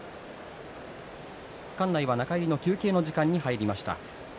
館内は中入りの休憩の時間に入りました。